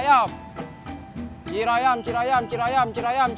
diriang cirai get